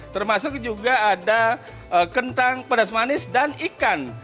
termasuk juga ada kentang pedas manis dan ikan